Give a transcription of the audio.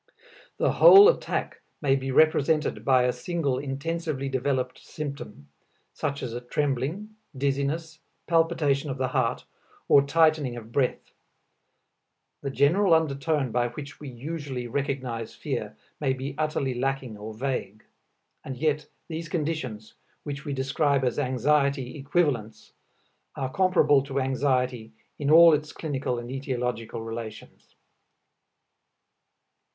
The whole attack may be represented by a single intensively developed symptom, such as a trembling, dizziness, palpitation of the heart, or tightening of breath; the general undertone by which we usually recognize fear may be utterly lacking or vague. And yet these conditions, which we describe as "anxiety equivalents," are comparable to anxiety in all its clinical and etiological relations.